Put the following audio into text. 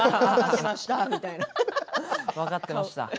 はい、分かっていました